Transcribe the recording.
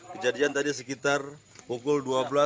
kejadian tadi sekitar pukul dua belas